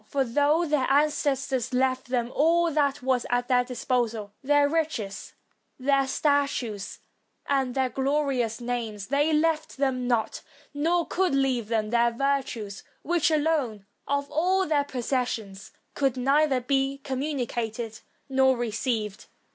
For though their ancestors left them all that was at their disposal, their riches, their statues, and their glorious names, they left them not, nor could leave them, their virtue; which alone, of all their possessions, could neither be communicated nor received.